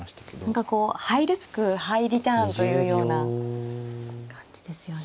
何かこうハイリスクハイリターンというような感じですよね。